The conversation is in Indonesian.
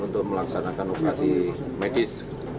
untuk melaksanakan operasi medis